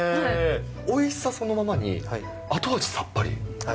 おいしさそのままに、後味さっぱり。